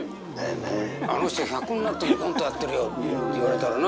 「あの人１００になってもコントやってるよ」って言われたらな。